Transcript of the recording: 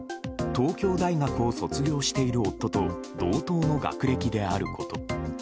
東京大学を卒業している夫と同等の学歴であること。